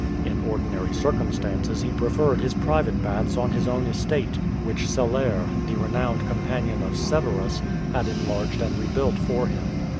In ordinary circumstances he preferred his private baths on his own estate, which Celer, the renowned companion of Severus, had enlarged and rebuilt for him.